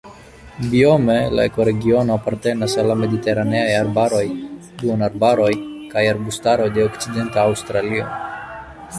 Biome la ekoregiono apartenas al la mediteraneaj arbaroj, duonarbaroj kaj arbustaroj de Okcidenta Aŭstralio.